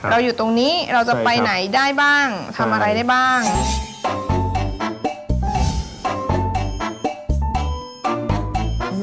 เราอยู่ตรงนี้เราจะไปไหนได้บ้างทำอะไรได้บ้าง